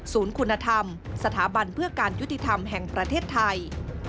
คุณธรรมสถาบันเพื่อการยุติธรรมแห่งประเทศไทย